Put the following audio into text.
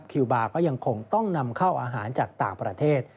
คิวบาร์ก็ยังคงต้องนำเข้าอาหารจากต่างประเทศ